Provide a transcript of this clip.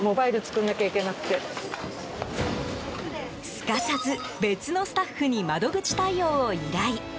すかさず別のスタッフに窓口対応を依頼。